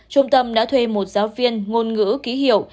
trung tâm đã thuê một giáo viên ngôn ngữ ký hiệu